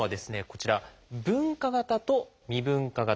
こちら「分化型」と「未分化型」